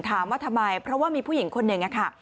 ถามว่าทำไมเพราะว่ามีผู้หญิงคนหนึ่งค่ะ